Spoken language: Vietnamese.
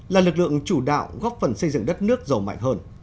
là lực lượng chủ đạo góp phần xây dựng đất nước giàu mạnh hơn